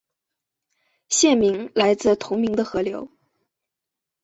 县名来自同名的河流。